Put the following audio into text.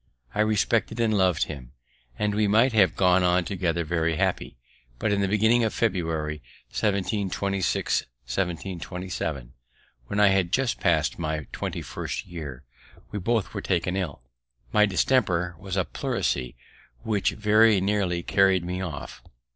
I respected and loved him, and we might have gone on together very happy; but, in the beginning of February, 1726/7, when I had just pass'd my twenty first year, we both were taken ill. My distemper was a pleurisy, which very nearly carried me off.